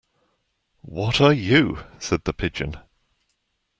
What are you?’ said the Pigeon.